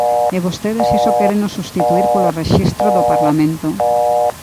E vostedes iso quéreno substituír polo Rexistro do Parlamento.